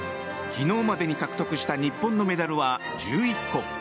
昨日までに獲得した日本のメダルは１１個。